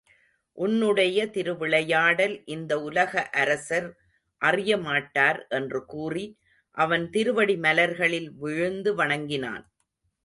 உன்னுடைய திருவிளையாடல் இந்த உலக அரசர் அறியமாட்டார் என்று கூறி அவன் திருவடி மலர்களில் விழுந்து வணங்கினான்.